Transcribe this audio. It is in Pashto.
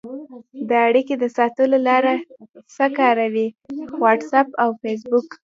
د اړیکې د ساتلو لاره څه کاروئ؟ واټساپ او فیسبوک